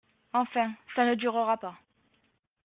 Enfin, ça ne durera pas !